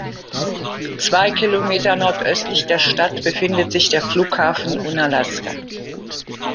Zwei Kilometer nordöstlich der Stadt befindet sich der Flughafen Unalaska.